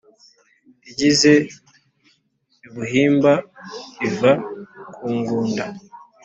Igeze i Buhimba iva ku Ngunda"